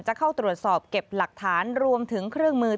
จะเข้าตรวจสอบเก็บหลักฐานรวมถึงเครื่องมือ